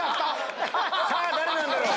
さぁ誰なんだろう？